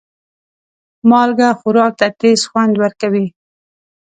مالګه خوراک ته تیز خوند ورکوي.